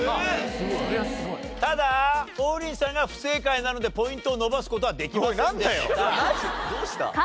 ただ王林さんが不正解なのでポイントを伸ばす事はできませんでした。